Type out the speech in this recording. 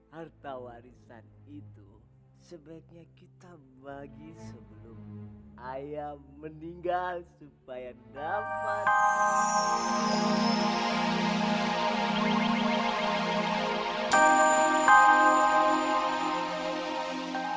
harta warisan itu sebaiknya kita bagi sebelum ayah meninggal supaya dapat